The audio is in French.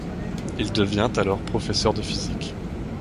Il devient alors professeur de physique.